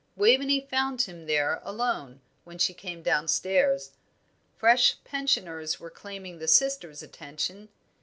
Waveney found him there alone when she came downstairs. Fresh pensioners were claiming the sisters' attention.